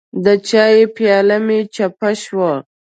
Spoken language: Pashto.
د چای پیاله مې چپه شوه.